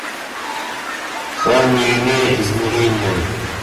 Он не имеет измерения.